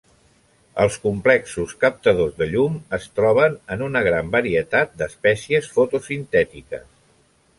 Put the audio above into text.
Els complexos captadors de llum es troben en una gran varietat d'espècies fotosintètiques.